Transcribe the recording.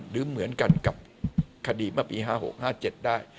หรือเหมือนกันกับคดีเมื่อปี๕๖๕๗ได้